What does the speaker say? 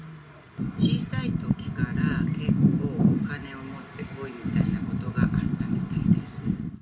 小さいときから、結構、お金を持ってこいみたいなことがあったみたいです。